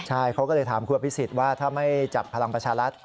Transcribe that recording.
ใช่เขาก็เลยถามคุณอภิษฎว่าถ้าไม่จับพลังประชารัฐ